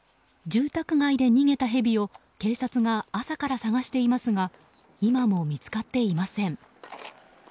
住宅街で逃げたヘビを警察が朝から探していますが今も見つかっていません。